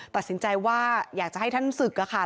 ตัดสินใจว่าอยากจะให้ท่านศึกค่ะ